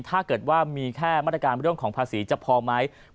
ถ้าเกิดว่ามีแค่มาตรการเรื่องของภาษีจะพอไหม